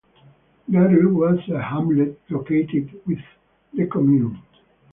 Larue was a hamlet located within the commune.